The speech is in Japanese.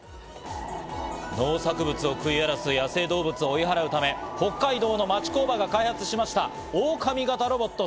農作物を食い荒らす野生動物を追い払うため北海道の町工場が開発しました、オオカミ型ロボット。